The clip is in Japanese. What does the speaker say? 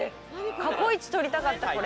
過去いち捕りたかったこれ。